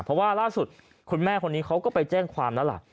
เพราะว่าล่าสุดคุณแม่คนนี้เขาก็ไปแจ้งความแล้วล่ะ